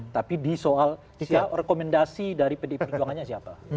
tapi di soal rekomendasi dari pdi perjuangannya siapa